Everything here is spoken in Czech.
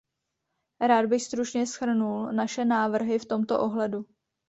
Rád bych stručně shrnul naše návrhy v tomto ohledu.